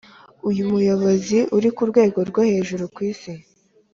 uyu musozi uri murwego rwo hejuru kwisi.